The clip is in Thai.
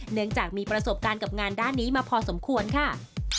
เนื่องจากมีประสบการณ์กับงานด้านนี้มาพอสมควรค่ะ